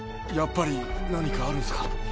やっぱり何かあるんすか？